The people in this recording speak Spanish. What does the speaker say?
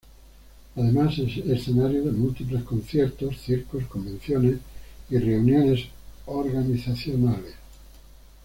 Además, es escenario de múltiples conciertos, circos, convenciones, y reuniones organizacionales.